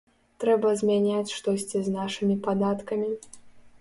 Трэба змяняць штосьці з нашымі падаткамі.